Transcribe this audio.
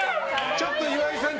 ちょっと岩井さん